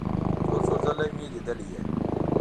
څو څو ځله مې لیدلی یې.